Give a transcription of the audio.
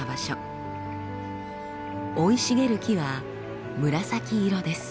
生い茂る木は紫色です。